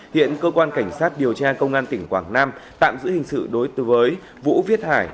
hiện cơ quan cảnh sát điều tra công an tỉnh quảng nam tạm giữ hình sự đối tư với vũ viết hải